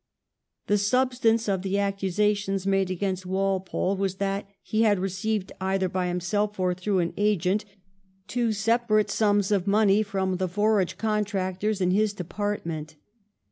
The substance of the accusa tion made against Walpole was that he had received, either by himself or through an agent, two separata 230 THE REIGN OF QUEEN ANNE. CH. xxxi. sums of money from the forage contractors in his department.